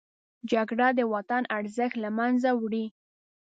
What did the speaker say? جګړه د وطن ارزښت له منځه وړي